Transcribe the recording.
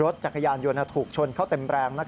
รถจักรยานยนต์ถูกชนเข้าเต็มแรง